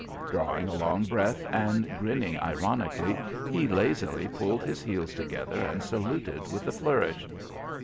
Drawing a long breath and grinning ironically, he lazily pulled his heels together and saluted with a flourish.